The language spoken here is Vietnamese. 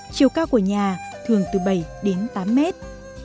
chiều cao của nhà thường từ bảy đến tám mét